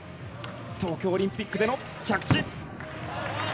東京オリンピックでの着地！